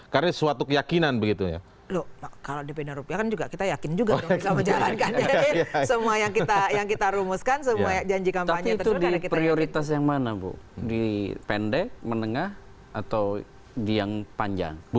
karena itu suatu keyakinan begitu ya